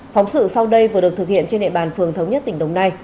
phóng sự sau đây vừa được thực hiện trên địa bàn phường thống nhất tỉnh đồng nai